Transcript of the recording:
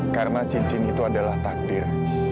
karena cincin itu adalah takdir